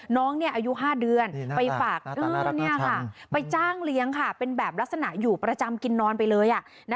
น้องอายุ๕เดือนไปฝากไปจ้างเลี้ยงค่ะเป็นแบบลักษณะอยู่ประจำกินนอนไปเลย